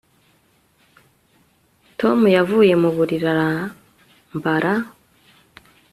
tom yavuye mu buriri arambara